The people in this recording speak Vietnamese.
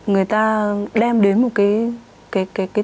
người ta đem đến một cái